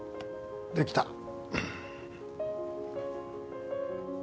できた。